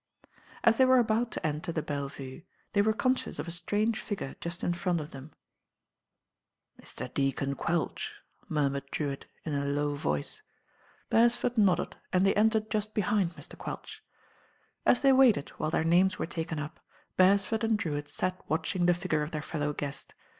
As they were about to enter the Belle Vue, they were conscious of a strange figure just in front of them. THE NINE DAYS ENDED U5 »>> "Mr. Deacon Quelch,'* munnurcd Drewitt, in a low voice. Beresford nodded, and they entered just behind Mr. Quelch. As they waited while their names were taken up, Beresford and Drewitt sat watching the figure of their fellow guest.